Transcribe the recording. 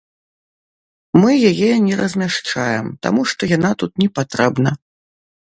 Мы яе не размяшчаем, таму што яна тут не патрэбна.